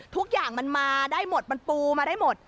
ทุกอย่างมันมาได้หมดมันปูมาได้หมด